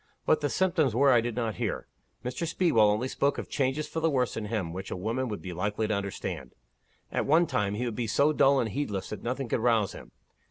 What the symptoms were I did not hear. Mr. Speedwell only spoke of changes for the worse in him which a woman would be likely to understand. At one time, he would be so dull and heedless that nothing could rouse him.